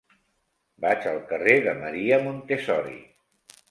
Vaig al carrer de Maria Montessori.